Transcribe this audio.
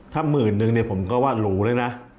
ถ้า๑๐๐๐๐หนึ่งเนี่ยผมก็ว่าหลู่เลยนะ